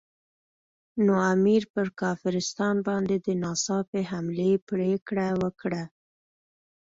نو امیر پر کافرستان باندې د ناڅاپي حملې پرېکړه وکړه.